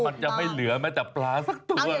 มันจะไม่เหลือแม้แต่ปลาสักตัว